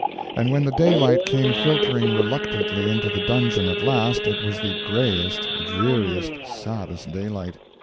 And when the daylight came filtering reluctantly into the dungeon at last, it was the grayest, dreariest, saddest daylight!